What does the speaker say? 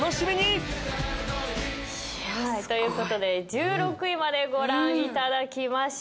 すごい。ということで１６位までご覧いただきました。